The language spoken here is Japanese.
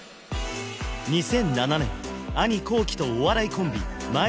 ２００７年兄・航基とお笑いコンビまえ